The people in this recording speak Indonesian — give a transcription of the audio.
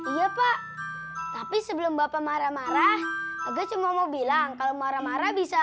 iya pak tapi sebelum bapak marah marah aku cuma mau bilang kalau marah marah bisa